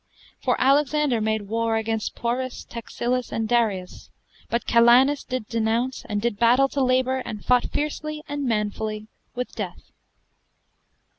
For Alexander made warre against Porus, Taxiles, and Darius. But Calanus did denounce and did battell to labor and fought fearcely and manfully with death."